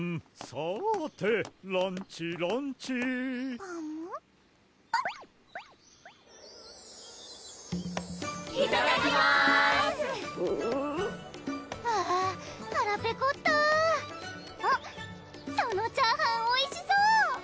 そのチャーハンおいしそう！